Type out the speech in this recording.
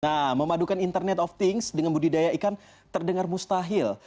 nah memadukan internet of things dengan budidaya ikan terdengar mustahil